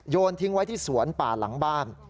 ทิ้งไว้ที่สวนป่าหลังบ้าน